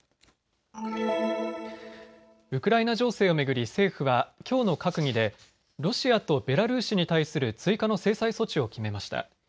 ウクライナ情勢を巡り政府はきょうの閣議でロシアとベラルーシに対する追加の制裁措置を決めました。